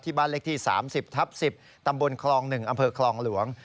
บ้านเลขที่๓๐ทับ๑๐ตำบลคลอง๑อำเภอคลองหลวง